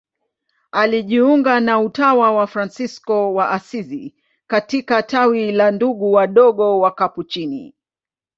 Alijiunga na utawa wa Fransisko wa Asizi katika tawi la Ndugu Wadogo Wakapuchini.